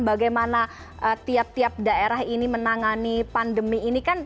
bagaimana tiap tiap daerah ini menangani pandemi ini kan